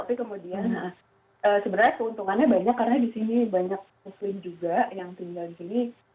tapi kemudian sebenarnya keuntungannya banyak karena di sini banyak muslim juga yang tinggal di sini